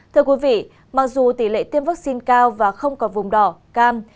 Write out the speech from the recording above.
thưa quý vị mặc dù tỷ lệ tiêm vaccine cao và không có vùng đỏ cam